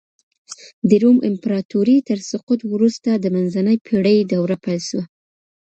د روم امپراطورۍ تر سقوط وروسته د منځنۍ پېړۍ دوره پيل سوه.